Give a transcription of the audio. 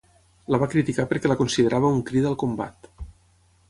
La va criticar perquè la considerava un crida al combat.